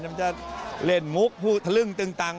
มันจะเล่นมุกพูดทะลึ่งตึงตัง